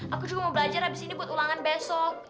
aku juga mau belajar abis ini buat ulangan besok